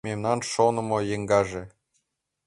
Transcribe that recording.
Мемнан шонымо еҥгаже